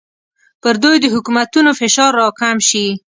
پر دوی د حکومتونو فشار راکم شي.